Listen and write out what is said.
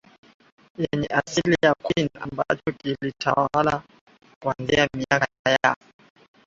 Yenye asili ya Qin ambacho kiltwala kuanzia miaka ya